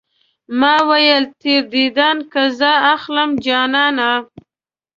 ما ويل تېر ديدن قضا اخلم جانانه